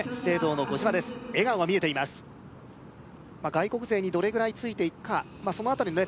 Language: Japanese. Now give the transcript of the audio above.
外国勢にどれぐらいついていくかその辺りのね